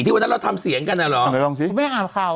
ที่วันนั้นเราทำเสียงกันน่ะเหรอลองดูหน่อยลองสิคุณแม่อาบเขา